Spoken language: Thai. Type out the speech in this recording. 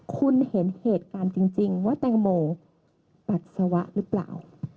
คุณเห็นเหตุการณ์จริงว่าแตงโมปัสสาวะหรือเปล่า